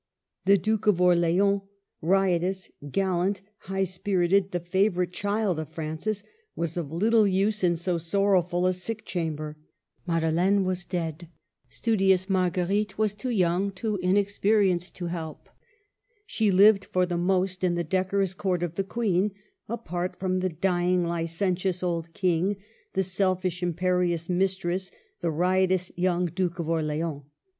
The Duke of Orleans, riotous, gal lant, high spirited, the favorite child of Francis, was of little use in so sorrowful a sick cham ber. Madelaine was dead. Studious Madame 200 MARGARET OF ANGOUL^ME. Marguerite was too young, too inexperienced to help. She hved, for the most, in the decorous Court of the Queen, apart from the dying, Hcen tious old King, the selfish, imperious mistress, the riotous young Duke of Orleans.